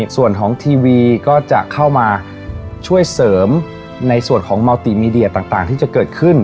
ส่วนของทีวีก็จะเข้ามาช่วยเสริมในส่วนของเมาติมีเดียต่างที่จะเกิดขึ้น